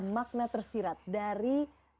makna tersirat dari